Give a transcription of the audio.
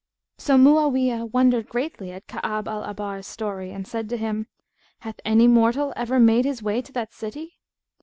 So Mu'awiyah wondered greatly at Ka'ab al Ahbar's story and said to him, "Hath any mortal ever made his way to that city?"